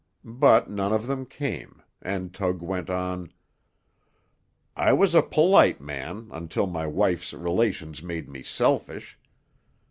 But none of them came, and Tug went on: "I was a polite man until my wife's relations made me selfish.